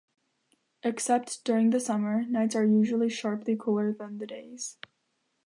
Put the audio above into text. Except during the summer, nights are usually sharply cooler than the days.